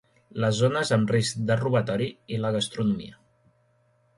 les zones amb risc de robatori i la gastronomia